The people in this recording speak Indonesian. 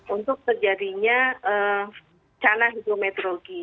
untuk sejadinya cana hidrometronik